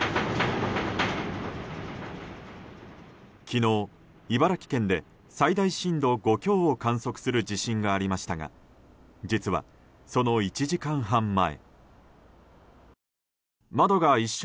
昨日、茨城県で最大震度５強を観測する地震がありましたが実は、その１時間半前。